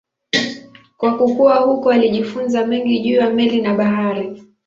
Kwa kukua huko alijifunza mengi juu ya meli na bahari.